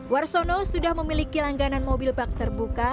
warsono sudah memiliki langganan mobil bak terbuka